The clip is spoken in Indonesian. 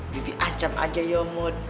bibik ancam aja nyomot